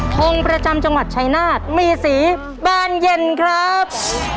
ทงประจำจังหวัดชายนาฏมีสีบานเย็นครับ